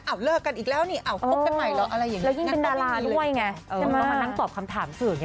เอาเลิกกันอีกแล้วนี่เอาพบใหม่แล้วอะไรอย่างนี้